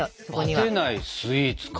バテないスイーツか。